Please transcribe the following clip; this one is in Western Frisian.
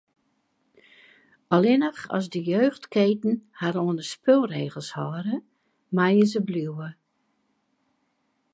Allinnich as de jeugdketen har oan de spulregels hâlde, meie se bliuwe.